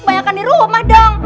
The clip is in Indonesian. kebanyakan dirumah dong